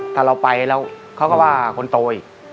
ถ้าเราไปแล้วเขาก็ว่าคนโตอีก